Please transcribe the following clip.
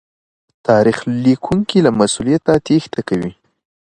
تاريخ ليکونکي له مسوليته تېښته کوي.